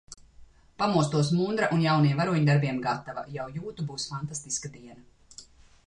Pamostos mundra un jauniem varoņdarbiem gatava! Jau jūtu būs fantastiska diena!